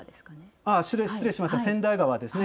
失礼しました、千代川ですね。